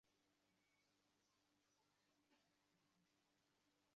তিনি সালে ইস্তানবুলের উসকুদার জেলায় জন্মগ্রহণ করেন।